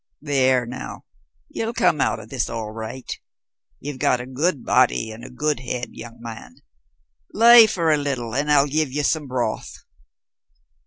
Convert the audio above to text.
"There now, you'll come out of this all right. You've got a good body and a good head, young man, lie by a little and I'll give ye some broth."